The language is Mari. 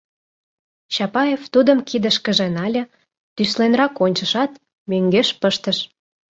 Чапаев тудым кидышкыже нале, тӱсленрак ончышат, мӧҥгеш пыштыш.